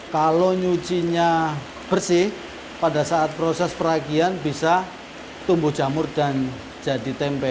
kalau nyucinya bersih pada saat proses peragian bisa tumbuh jamur dan jadi tempe